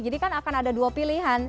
kan akan ada dua pilihan